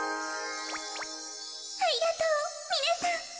ありがとうみなさん。